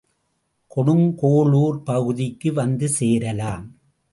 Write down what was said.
கொடுங்கோளூர் பகுதிக்கு வந்து சேரலாம்.